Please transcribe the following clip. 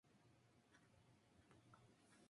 Murió tres días más tarde.